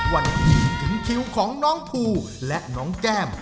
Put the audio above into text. วันนี้ถึงคิวของน้องภูและน้องแก้ม